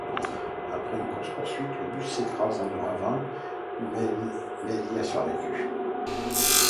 Après une course-poursuite, le bus s'écrase dans un ravin, mais elle y a survécu.